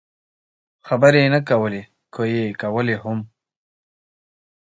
خبرې یې نه کولې، که یې کولای هم.